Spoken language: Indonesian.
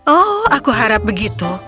oh aku harap begitu